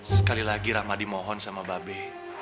sekali lagi rahmadi mohon sama babe